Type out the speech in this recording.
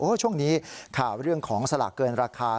ช่วงนี้ข่าวเรื่องของสลากเกินราคา